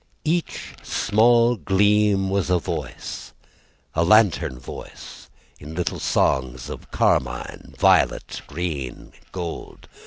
Each small gleam was a voice, A lantern voice In little songs of carmine, violet, green, gold.